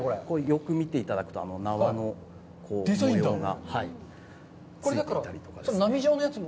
よく見ていただくと、縄の模様が。